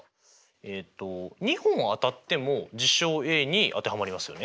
えっと２本当たっても事象Ａに当てはまりますよね？